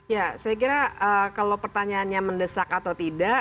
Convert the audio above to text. ya saya kira kalau pertanyaannya mendesak atau tidak